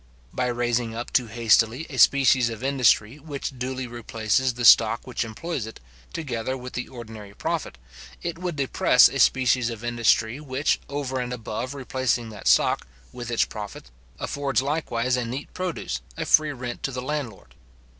By raising up too hastily a species of industry which duly replaces the stock which employs it, together with the ordinary profit, it would depress a species of industry which, over and above replacing that stock, with its profit, affords likewise a neat produce, a free rent to the landlord.